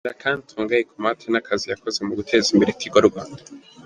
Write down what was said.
Turashimira kandi Tongai ku muhate n’akazi yakoze mu guteza imbere Tigo Rwanda.